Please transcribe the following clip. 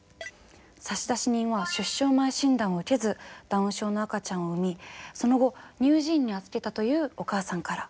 差出人は出生前診断を受けずダウン症の赤ちゃんを産みその後乳児院に預けたというお母さんから。